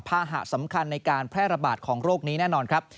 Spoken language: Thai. หะสำคัญในการแพร่ระบาดของโรคนี้แน่นอนครับ